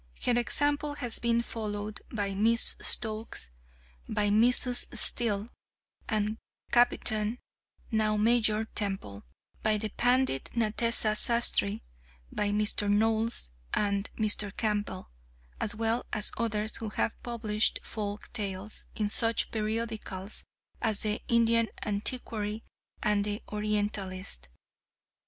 Her example has been followed by Miss Stokes, by Mrs. Steel, and Captain (now Major) Temple, by the Pandit Natesa Sastri, by Mr. Knowles and Mr. Campbell, as well as others who have published folk tales in such periodicals as the Indian Antiquary and The Orientalist.